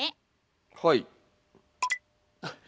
はい。